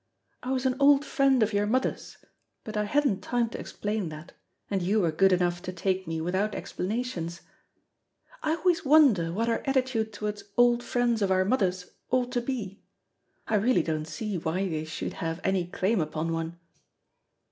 I was an old friend of your mother's, but I hadn't time to explain that, and you were good enough to take me without explanations. I always wonder what our attitude towards old friends of our mothers ought to be. I really don't see why they should have any claim upon one."